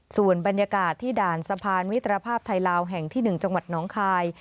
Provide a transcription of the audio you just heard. ส่วนบรรยากาศที่ด่านสะพานมิตรภาพไทยลาวแห่งที่๑จังหวัดน้องคาย